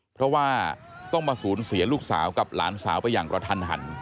เพราะว่าต้องมาสูญเสียลูกสาวกับหลานสาวไปอย่างกระทันหัน